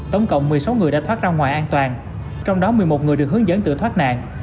tổng cộng một mươi sáu người đã thoát ra ngoài an toàn trong đó một mươi một người được hướng dẫn tự thoát nạn